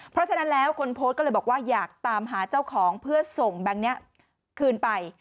เพราะฉะนั้นแล้วคนโพสต์ก็เลยบอกว่าอยากตามหาเจ้าของเพื่อส่งแบงค์นี้คืนไป